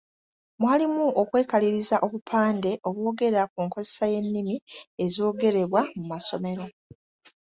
Mwalimu okwekaliriza obupande obwogera ku nkozesa y’ennimi ezoogerebwa mu masomero.